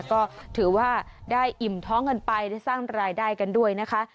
ก็ถือว่าได้อิ่มท้องกันไปได้สร้างรายได้กันด้วยนะคะ